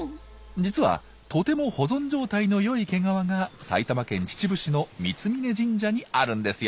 実はとても保存状態の良い毛皮が埼玉県秩父市の三峯神社にあるんですよ。